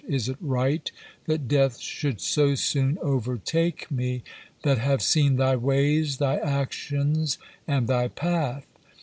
Is it right that death should so soon overtake me, that have seen Thy ways, Thy actions, and Thy path?"